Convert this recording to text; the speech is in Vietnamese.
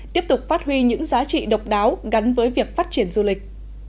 tiếp tục phát huy những giá trị độc đáo gắn với việc phát triển du lịch